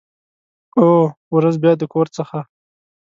او، ورځ بیا د کور څخه